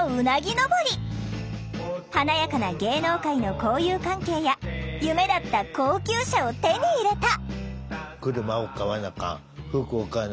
華やかな芸能界の交友関係や夢だった高級車を手に入れた！